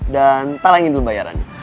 dan talangin dulu bayarannya